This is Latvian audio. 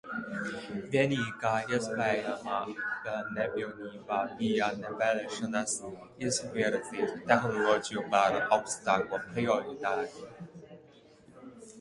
Vienīgā iespējamā nepilnība bija nevēlēšanās izvirzīt tehnoloģiju par augstāko prioritāti.